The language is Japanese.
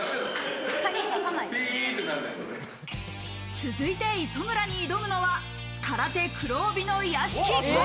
続いて磯村に挑むのは、空手黒帯の屋敷。